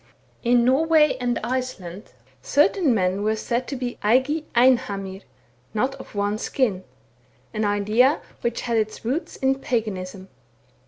In Norway and Iceland certain men were said to be eigi einhamir, not of one skin, an idea which had its roots in paganism.